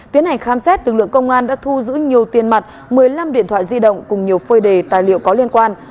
tiến hành khám xét lực lượng công an đã thu giữ nhiều tiền mặt một mươi năm điện thoại di động cùng nhiều phơi đề tài liệu có liên quan